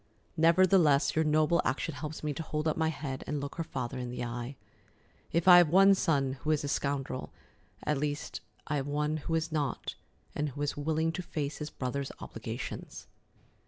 Nevertheless, your noble action helps me to hold up my head and look her father in the eye. If I have one son who is a scoundrel, at least I have one who is not, and who is willing to face his brother's obligations."